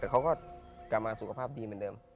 แต่เขาก็กลับมาสุขภาพดีเหมือนเดิม